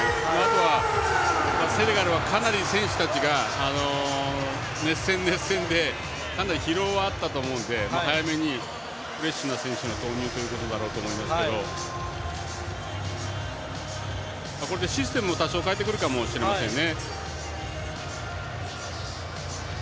あとは、セネガルはかなり選手たちが熱戦、熱戦でかなり疲労はあったと思うので早めにフレッシュな選手を投入ということだと思いますがこれでシステムを多少変えてくるかもしれませんね。